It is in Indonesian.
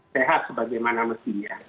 sehat sebagaimana mestinya